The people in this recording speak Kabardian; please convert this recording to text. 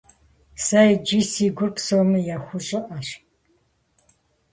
Сэ иджы си гур псоми яхуэщӀыӀэщ…